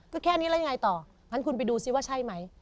ก็แค่นี้แล้วยังไงต่องั้นคุณไปดูซิว่าใช่ไหม